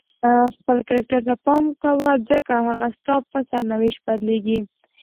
خپل کرکټر ته پام کوه ځکه هغه ستا په سرنوشت بدلیږي.